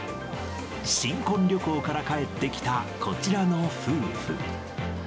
新婚旅行から帰ってきたこちらの夫婦。